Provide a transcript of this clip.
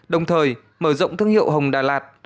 đồng thời mở rộng thương hiệu hồng đà lạt